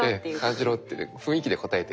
「感じろ」って雰囲気で答えてる。